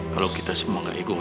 saat itu bu latih